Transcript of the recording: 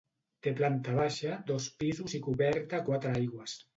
Té planta baixa, dos pisos i coberta a quatre aigües.